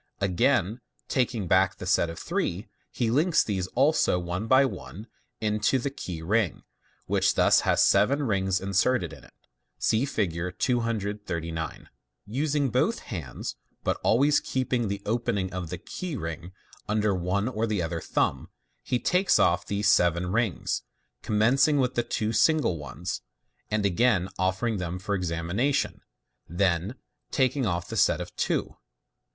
Again taking back the set of three, he links these also one by one into the key ring, which thus has seven rings inserted in it. (See Fig. 239.) Using both hands, but always keeping the open ing of the key ring under one or the other thumb, he now takes off these seven rings, commencing with the two single ones, and again offering them for examination 5 then taking off the set of two.